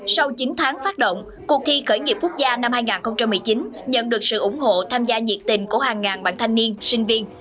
sau chín tháng phát động cuộc thi khởi nghiệp quốc gia năm hai nghìn một mươi chín nhận được sự ủng hộ tham gia nhiệt tình của hàng ngàn bạn thanh niên sinh viên